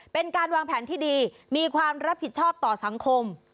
เป็นการวางแผนที่ดีมีความรับผิดชอบต่อสังคม